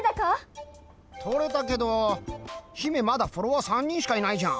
撮れたけど姫まだフォロワー３人しかいないじゃん。